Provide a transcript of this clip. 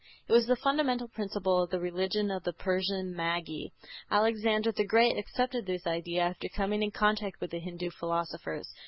It was the fundamental principle of the religion of the Persian Magi. Alexander the Great accepted this idea after coming in contact with the Hindu philosophers.